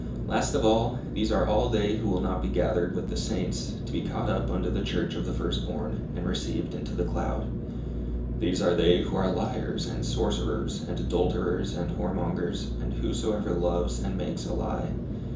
Last of all, these all are they who will not be gathered with the Saints, to be caught up unto the Church of the firstborn, and received into the cloud. These are they who are liars, and sorcerers, and adulterers, and whoremongers, and whosoever loves and makes a lie.